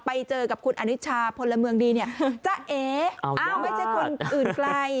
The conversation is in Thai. ไปเจอกับคุณอนิชาพลเมืองดีเนี่ยจ้าเออ้าวไม่ใช่คนอื่นไกล